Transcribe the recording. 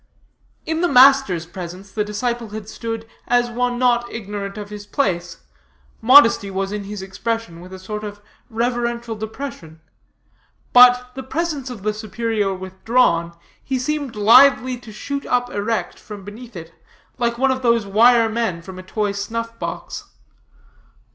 In the master's presence the disciple had stood as one not ignorant of his place; modesty was in his expression, with a sort of reverential depression. But the presence of the superior withdrawn, he seemed lithely to shoot up erect from beneath it, like one of those wire men from a toy snuff box.